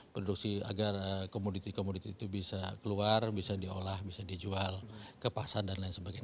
produksi agar komoditi komoditi itu bisa keluar bisa diolah bisa dijual ke pasar dan lain sebagainya